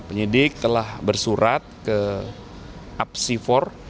penyidik telah bersurat ke apsifor